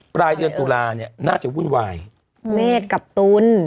ปลายเดือนตุลาเนี่ยน่าจะวุ่นวายเมฆกับตุล